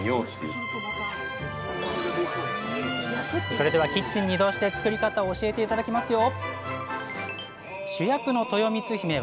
それではキッチンに移動して作り方を教えて頂きますよ！